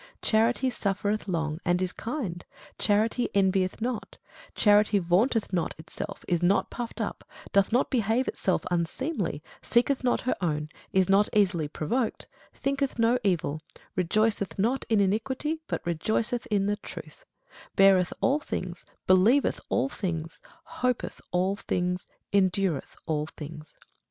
Charity suffereth long, and is kind; charity envieth not; charity vaunteth not itself, is not puffed up, doth not behave itself unseemly, seeketh not her own, is not easily provoked, thinketh no evil; rejoiceth not in iniquity, but rejoiceth in the truth; beareth all things, believeth all things, hopeth all things, endureth all things.